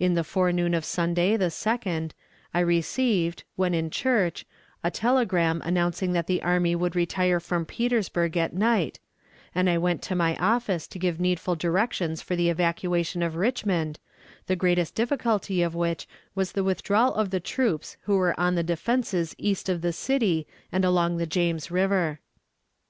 In the forenoon of Sunday, the 2d, I received, when in church, a telegram announcing that the army would retire from Petersburg at night, and I went to my office to give needful directions for the evacuation of Richmond, the greatest difficulty of which was the withdrawal of the troops who were on the defenses east of the city, and along the James River.